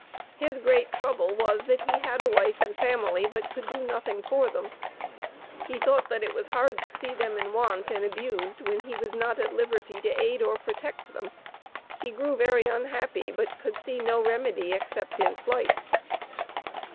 His great trouble was, that he had a wife and family, but could do nothing for them. He thought that it was hard to see them in want and abused when he was not at liberty to aid or protect them. He grew very unhappy, but could see no remedy except in flight.